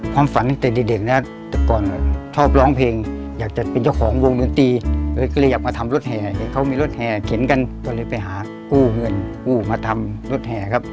ความฝันตั้งแต่เด็กนะแต่ก่อนชอบร้องเพลงอยากจะเป็นเจ้าของวงดนตรีก็เลยอยากมาทำรถแห่เขามีรถแห่เข็นกันก็เลยไปหากู้เงินกู้มาทำรถแห่ครับ